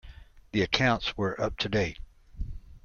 The accounts were up to date.